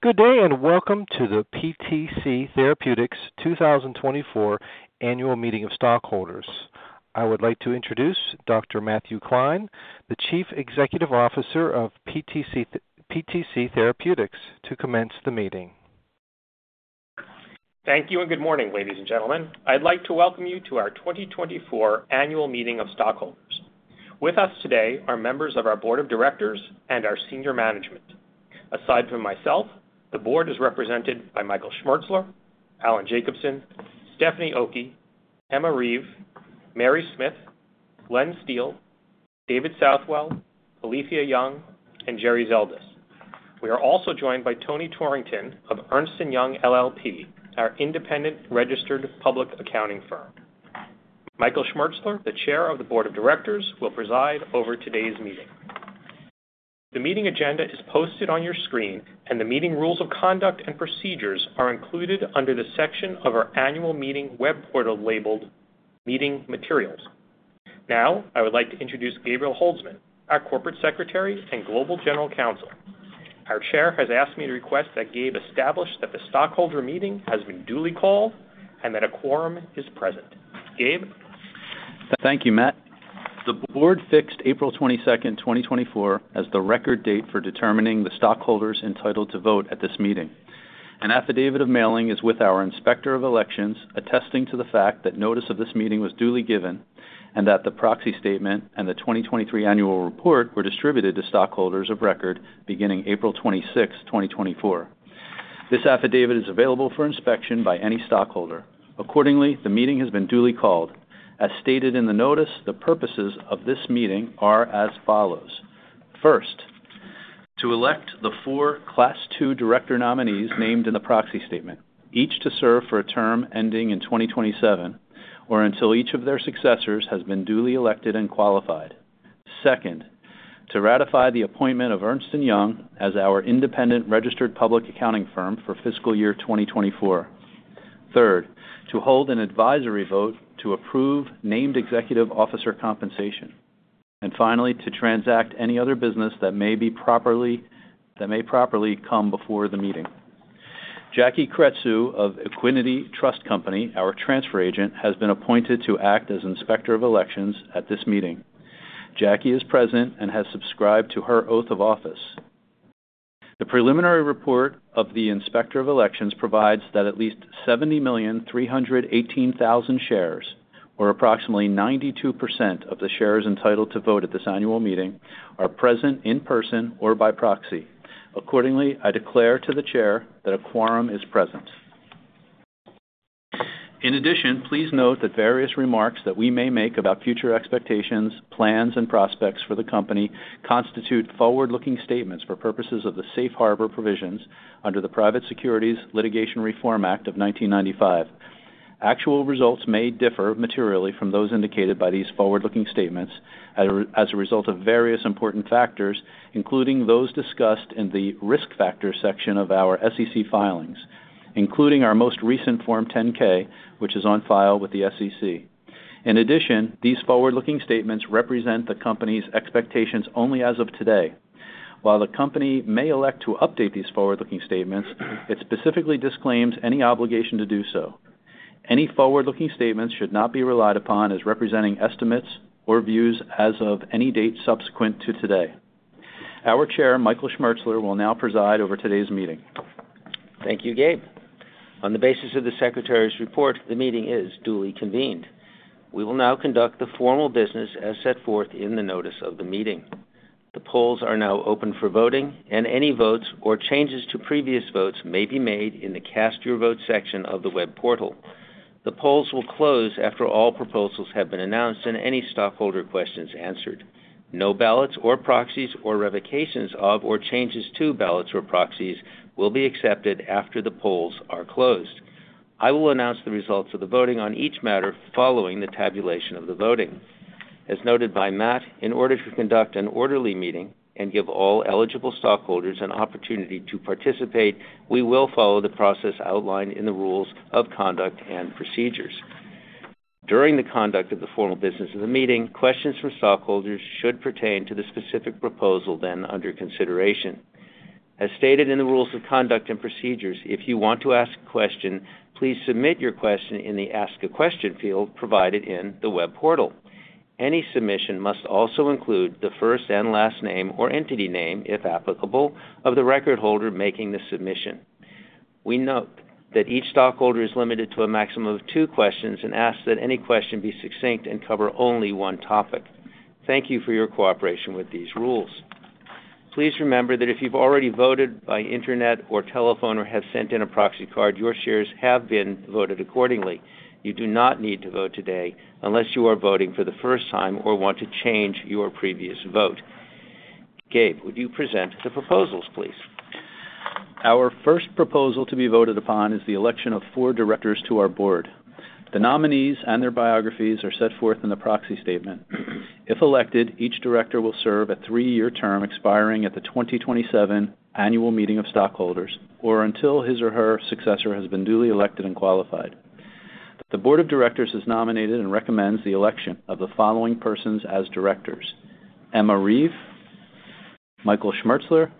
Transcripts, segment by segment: Good day, and welcome to the PTC Therapeutics 2024 Annual Meeting of Stockholders. I would like to introduce Dr. Matthew Klein, the Chief Executive Officer of PTC, PTC Therapeutics, to commence the meeting. Thank you, and good morning, ladies and gentlemen. I'd like to welcome you to our 2024 Annual Meeting of Stockholders. With us today are members of our Board of Directors and our senior management. Aside from myself, the board is represented by Michael Schmertzler, Allan Jacobson, Stephanie Okey, Emma Reeve, Mary Smith, Glenn Steele, David Southwell, Alethia Young, and Jerome Zeldis. We are also joined by Tony Torrington of Ernst & Young, LLP, our independent registered public accounting firm. Michael Schmertzler, the Chair of the Board of Directors, will preside over today's meeting. The meeting agenda is posted on your screen, and the meeting rules of conduct and procedures are included under the section of our annual meeting web portal labeled Meeting Materials. Now, I would like to introduce Gabriel Holdsman, our Corporate Secretary and Global General Counsel. Our chair has asked me to request that Gabe establish that the stockholder meeting has been duly called and that a quorum is present. Gabe? Thank you, Matt. The board fixed April 22, 2024, as the Record Date for determining the stockholders entitled to vote at this meeting. An Affidavit of Mailing is with our Inspector of Elections, attesting to the fact that notice of this meeting was duly given and that the Proxy Statement and the 2023 Annual Report were distributed to stockholders of record beginning April 26, 2024. This affidavit is available for inspection by any stockholder. Accordingly, the meeting has been duly called. As stated in the notice, the purposes of this meeting are as follows. First, to elect the four Class II director nominees named in the Proxy Statement, each to serve for a term ending in 2027, or until each of their successors has been duly elected and qualified. Second, to ratify the appointment of Ernst & Young as our independent registered public accounting firm for fiscal year 2024. Third, to hold an advisory vote to approve named executive officer compensation. And finally, to transact any other business that may properly come before the meeting. Jackie Kretz of Equiniti Trust Company, our transfer agent, has been appointed to act as Inspector of Elections at this meeting. Jackie is present and has subscribed to her oath of office. The preliminary report of the Inspector of Elections provides that at least 70,318,000 shares, or approximately 92% of the shares entitled to vote at this annual meeting, are present in person or by proxy. Accordingly, I declare to the Chair that a quorum is present. In addition, please note that various remarks that we may make about future expectations, plans, and prospects for the company constitute forward-looking statements for purposes of the safe harbor provisions under the Private Securities Litigation Reform Act of 1995. Actual results may differ materially from those indicated by these forward-looking statements as a result of various important factors, including those discussed in the Risk Factors section of our SEC filings, including our most recent Form 10-K, which is on file with the SEC. In addition, these forward-looking statements represent the company's expectations only as of today. While the company may elect to update these forward-looking statements, it specifically disclaims any obligation to do so. Any forward-looking statements should not be relied upon as representing estimates or views as of any date subsequent to today. Our chair, Michael Schmertzler, will now preside over today's meeting. Thank you, Gabe. On the basis of the secretary's report, the meeting is duly convened. We will now conduct the formal business as set forth in the notice of the meeting. The polls are now open for voting, and any votes or changes to previous votes may be made in the Cast Your Vote section of the web portal. The polls will close after all proposals have been announced and any stockholder questions answered. No ballots or proxies or revocations of, or changes to ballots or proxies will be accepted after the polls are closed. I will announce the results of the voting on each matter following the tabulation of the voting. As noted by Matt, in order to conduct an orderly meeting and give all eligible stockholders an opportunity to participate, we will follow the process outlined in the rules of conduct and procedures. During the conduct of the formal business of the meeting, questions from stockholders should pertain to the specific proposal then under consideration. As stated in the rules of conduct and procedures, if you want to ask a question, please submit your question in the Ask a Question field provided in the web portal. Any submission must also include the first and last name or entity name, if applicable, of the record holder making the submission. We note that each stockholder is limited to a maximum of two questions and ask that any question be succinct and cover only one topic. Thank you for your cooperation with these rules. Please remember that if you've already voted by internet or telephone or have sent in a proxy card, your shares have been voted accordingly. You do not need to vote today unless you are voting for the first time or want to change your previous vote. Gabe, would you present the proposals, please? Our first proposal to be voted upon is the election of four directors to our board. The nominees and their biographies are set forth in the proxy statement. If elected, each director will serve a 3-year term expiring at the 2027 annual meeting of stockholders, or until his or her successor has been duly elected and qualified.... The board of directors has nominated and recommends the election of the following persons as directors: Emma Reeve, Michael Schmertzler,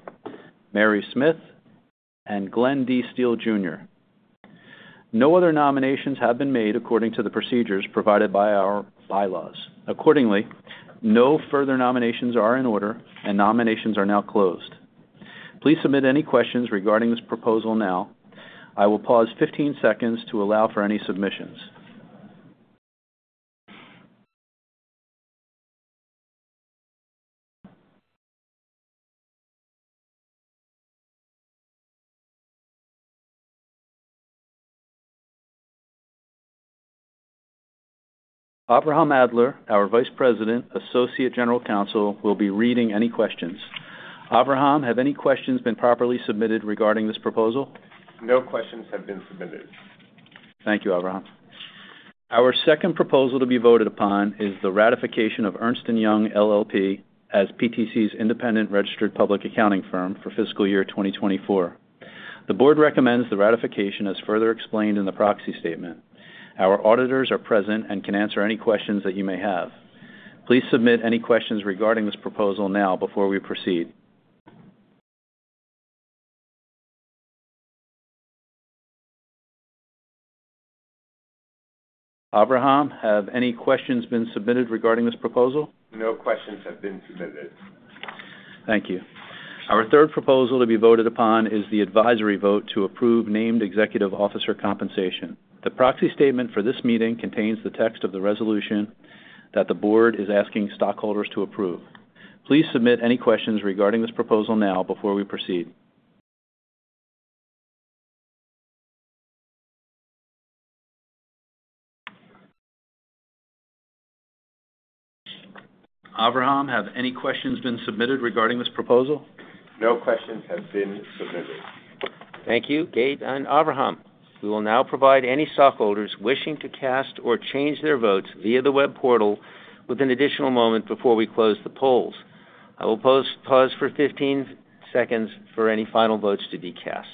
Mary Smith, and Glenn D. Steele Jr. No other nominations have been made according to the procedures provided by our bylaws. Accordingly, no further nominations are in order, and nominations are now closed. Please submit any questions regarding this proposal now. I will pause 15 seconds to allow for any submissions. Avraham Adler, our Vice President, Associate General Counsel, will be reading any questions. Avraham, have any questions been properly submitted regarding this proposal? No questions have been submitted. Thank you, Avraham. Our second proposal to be voted upon is the ratification of Ernst & Young LLP as PTC's independent registered public accounting firm for fiscal year 2024. The board recommends the ratification as further explained in the proxy statement. Our auditors are present and can answer any questions that you may have. Please submit any questions regarding this proposal now before we proceed. Avraham, have any questions been submitted regarding this proposal? No questions have been submitted. Thank you. Our third proposal to be voted upon is the advisory vote to approve named executive officer compensation. The proxy statement for this meeting contains the text of the resolution that the board is asking stockholders to approve. Please submit any questions regarding this proposal now before we proceed. Avraham, have any questions been submitted regarding this proposal? No questions have been submitted. Thank you, Gabe and Avraham. We will now provide any stockholders wishing to cast or change their votes via the web portal with an additional moment before we close the polls. I will now pause for 15 seconds for any final votes to be cast.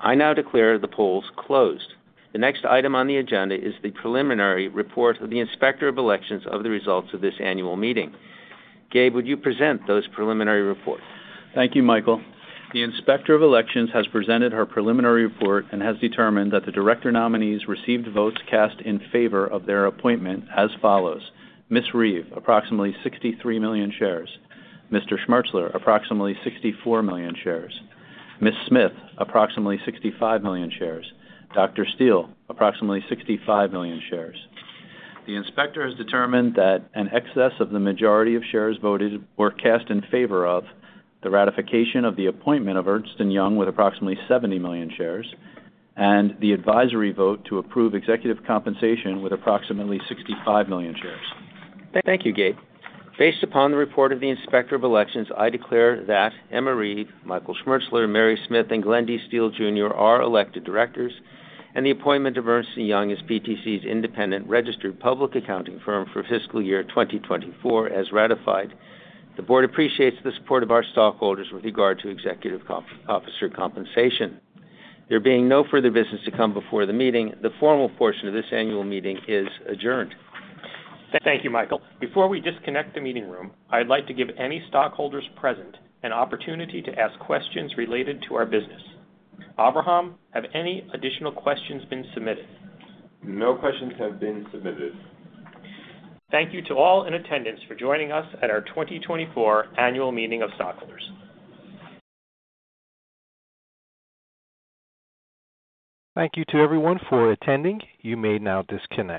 I now declare the polls closed. The next item on the agenda is the preliminary report of the Inspector of Elections of the results of this annual meeting. Gabe, would you present those preliminary reports? Thank you, Michael. The Inspector of Elections has presented her preliminary report and has determined that the director nominees received votes cast in favor of their appointment as follows: Ms. Reeve, approximately 63 million shares; Mr. Schmertzler, approximately 64 million shares; Ms. Smith, approximately 65 million shares; Dr. Steele, approximately 65 million shares. The inspector has determined that an excess of the majority of shares voted were cast in favor of the ratification of the appointment of Ernst & Young with approximately 70 million shares, and the advisory vote to approve executive compensation with approximately 65 million shares. Thank you, Gabe. Based upon the report of the Inspector of Elections, I declare that Emma Reeve, Michael Schmertzler, Mary Smith, and Glenn D. Steele Jr. are elected directors, and the appointment of Ernst & Young as PTC's independent registered public accounting firm for fiscal year 2024 as ratified. The board appreciates the support of our stockholders with regard to executive officer compensation. There being no further business to come before the meeting, the formal portion of this annual meeting is adjourned. Thank you, Michael. Before we disconnect the meeting room, I'd like to give any stockholders present an opportunity to ask questions related to our business. Avraham, have any additional questions been submitted? No questions have been submitted. Thank you to all in attendance for joining us at our 2024 Annual Meeting of Stockholders. Thank you to everyone for attending. You may now disconnect.